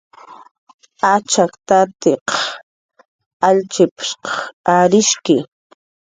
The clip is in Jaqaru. "Achak tatiq allchp""shq arishki"